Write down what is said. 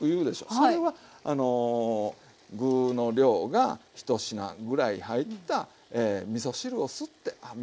それは具の量が１品ぐらい入ったみそ汁を吸ってみ